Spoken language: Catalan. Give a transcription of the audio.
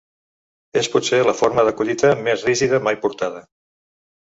És potser la forma de cotilla més rígida mai portada.